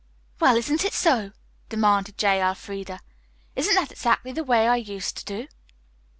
"Well, isn't it so?" demanded J. Elfreda. "Isn't that exactly the way I used to do?"